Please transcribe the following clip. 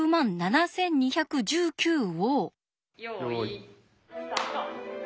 よいスタート。